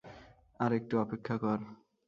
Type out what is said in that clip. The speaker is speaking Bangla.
আর একটু অপেক্ষা কর।